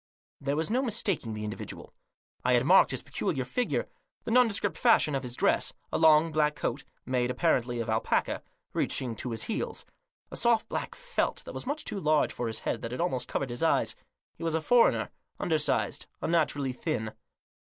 There was no mistaking the individual. I had marked his peculiar figure ; the nondescript fashion of his dress — a long black coat, made, apparently, of alpaca, reaching to his heels ; a soft black felt hat so much too large for his head that it almost covered his eyes. He was a foreigner, undersized, unnaturally thin.